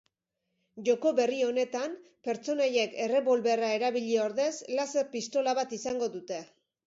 Joko berri honetan pertsonaiek errebolberra erabili ordez laser-pistola bat izango dute.